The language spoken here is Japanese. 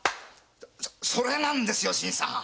それなんだよ新さん。